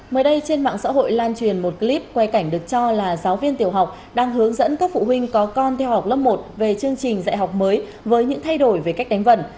mới đây trên mạng xã hội lan truyền một clip quay cảnh được cho là giáo viên tiểu học đang hướng dẫn các phụ huynh có con theo học lớp một về chương trình dạy học mới với những thay đổi về cách đánh vần